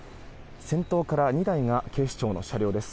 先頭から２台が警視庁の車両です。